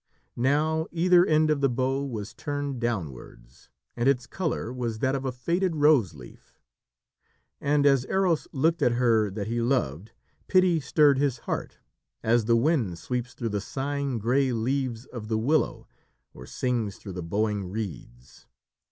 Now either end of the bow was turned downwards, and its colour was that of a faded rose leaf. And as Eros looked at her that he loved, pity stirred his heart, as the wind sweeps through the sighing, grey leaves of the willow, or sings through the bowing reeds.